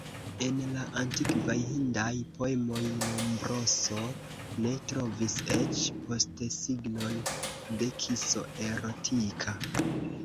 En la antikvaj Hindaj poemoj Lombroso ne trovis eĉ postesignon de kiso erotika.